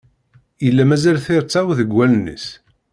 Yella mazal tirtaw deg allen-is.